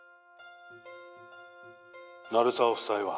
☎鳴沢夫妻は？